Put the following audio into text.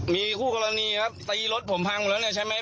มีคู่กรณีครับตีรถผมพังหมดเลยใช่ไหม